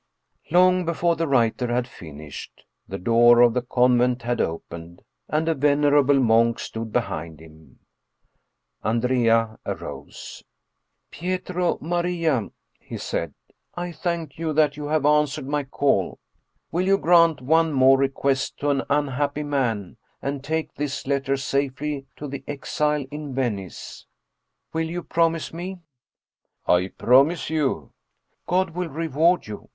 Long before the writer had finished, the door of the con vent had opened and a venerable monk stood behind him. Andrea arose. " Pietro Maria/' he said. " I thank you that you have answered my call. Will you grant one more request to an unhappy man, and take this letter safely to the exile in Venice? Will you promise me?" " I promise you." " God will reward you.